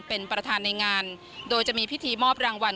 เป็นประธานในงานโดยจะมีพิธีมอบรางวัล